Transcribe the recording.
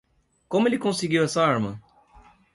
Como ele conseguiu essa arma?